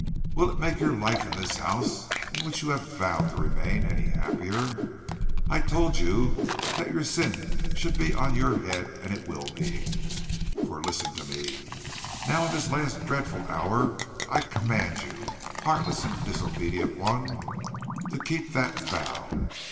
Will it make your life in this house, in which you have vowed to remain, any happier? I told you that your sin should be on your head, and it will be. For, listen to me: now in this last dreadful hour, I command you, heartless and disobedient one, to keep that vow.